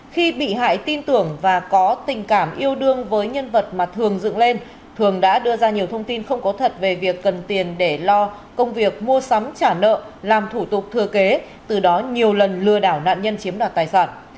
khi bị hại tin tưởng và có tình cảm yêu đương với nhân vật mà thường dựng lên thường đã đưa ra nhiều thông tin không có thật về việc cần tiền để lo công việc mua sắm trả nợ làm thủ tục thừa kế từ đó nhiều lần lừa đảo nạn nhân chiếm đoạt tài sản